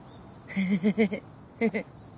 フフフフ。